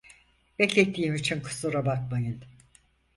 Beklettiğim için kusura bakmayın.